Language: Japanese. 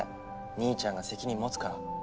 兄ちゃんが責任持つから。